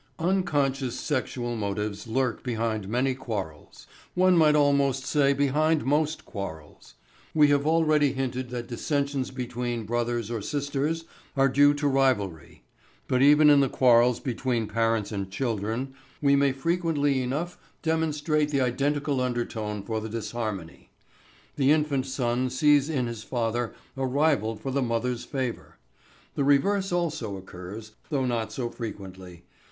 Unconscious sexual motives lurk behind many quarrels, one might almost say behind most quarrels. We have already hinted that dissensions between brothers or sisters are due to rivalry. But even in the quarrels between parents and children we may frequently enough demonstrate the identical undertone for the disharmony. The infant son sees in his father a rival for the mother's favour. The reverse also occurs, though not so frequently.